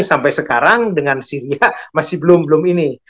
sampai sekarang dengan syria masih belum belum ini